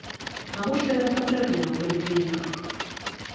Навошта яны патрэбныя ў паліклініках?